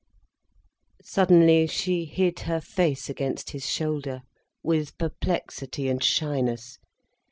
Suddenly she hid her face against his shoulder with perplexity and shyness.